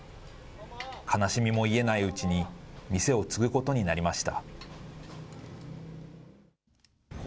悲しみも癒えないうちに、店を継ぐことになりました。